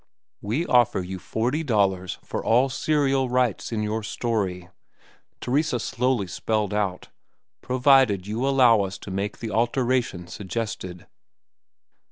"'We offer you forty dollars for all serial rights in your story,'" Teresa slowly spelled out, "'provided you allow us to make the alterations suggested.